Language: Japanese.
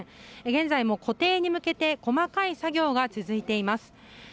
現在も固定に向けて細かい作業が続いています。